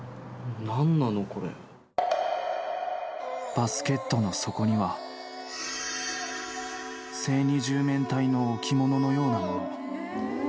「バスケットの底には正二十面体の置物のようなもの」